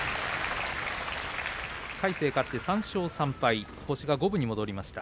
魁聖、勝って３勝３敗星が五分に戻りました。